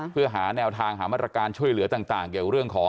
เพื่อหาแนวทางหามาตรการช่วยเหลือต่างเกี่ยวเรื่องของ